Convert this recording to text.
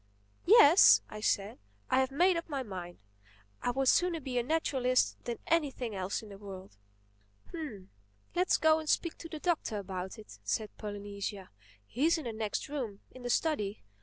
"Yes," I said, "I have made up my mind. I would sooner be a naturalist than anything else in the world." "Humph!—Let's go and speak to the Doctor about it," said Polynesia. "He's in the next room—in the study.